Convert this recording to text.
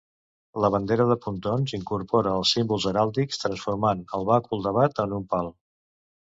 La bandera de Pontons incorpora els símbols heràldics, transformant el bàcul d'abat en un pal.